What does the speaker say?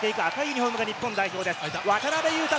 左に攻める赤いユニホームが日本代表です。